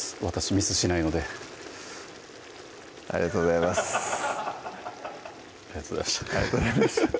ミスしないのでありがとうございますありがとうございましたありがとうございました